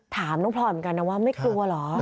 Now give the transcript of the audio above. ถามน้องพลอยเหมือนกันนะว่าไม่กลัวเหรอ